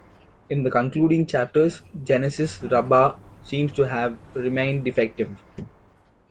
In the concluding chapters, Genesis Rabba seems to have remained defective.